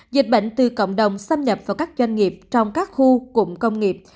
dịch bệnh từ cộng đồng xâm nhập vào các doanh nghiệp trong các khu cụm công nghiệp